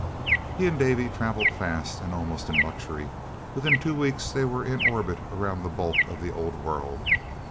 He and Davy travelled fast and almost in luxury. Within two weeks they were in orbit around the bulk of the Old World.